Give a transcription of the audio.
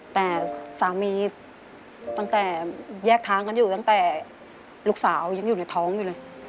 แต่สามีตั้งแต่แยกทางกันอยู่ตั้งแต่ลูกสาวยังอยู่ในท้องอยู่เลย